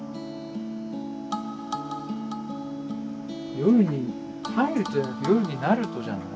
「夜に入ると」じゃなくて「夜になると」じゃない？